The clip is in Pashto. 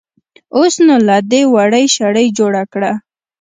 اوس نو له دې وړۍ شړۍ جوړه کړه.